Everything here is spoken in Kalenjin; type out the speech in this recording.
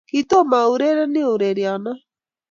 kitomo aurerenik ureriono .